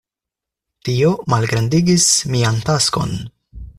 Tio malgrandigis mia taskon.